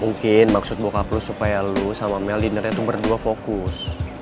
mungkin maksud bokap lo supaya lo sama mel di nere tuh berdua fokus